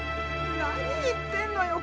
何言ってんのよ！